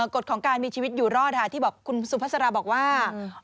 กฎของการมีชีวิตอยู่รอดที่บอกคุณสุภาษาบอกว่า